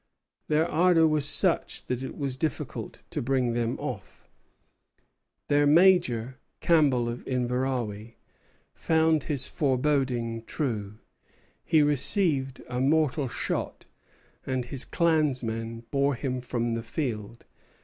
Their ardor was such that it was difficult to bring them off." Their major, Campbell of Inverawe, found his foreboding true. He received a mortal shot, and his clansmen bore him from the field.